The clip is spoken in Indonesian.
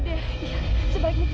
sebaiknya kita cepat cepat ke gua